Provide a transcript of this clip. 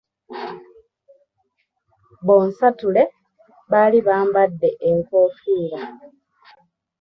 Bonsatule baali bambadde enkofiira.